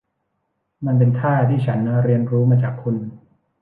มันเป็นท่าที่ฉันเรียนรู้มาจากคุณ